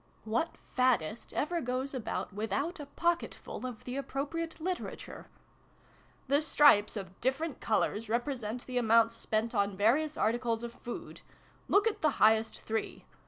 (What faddist ever goes about without a pocketful of the appropriate literature ?)" The stripes of different colours represent the amounts spent on various articles of food. Look at the highest three.